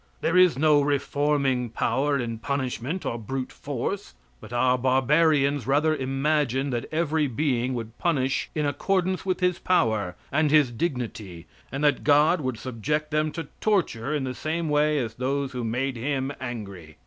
There is no reforming power in punishment or brute force; but our barbarians rather imagined that every being would punish in accordance with his power, and his dignity, and that God would subject them to torture in the same way as those who made Him angry.